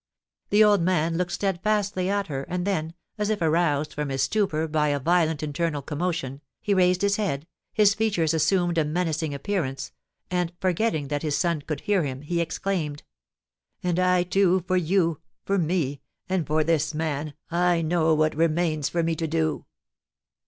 The old man looked steadfastly at her, and then, as if aroused from his stupor by a violent internal commotion, he raised his head, his features assumed a menacing appearance, and, forgetting that his son could hear him, he exclaimed: "And I, too, for you, for me, and for this man, I know what remains for me to do."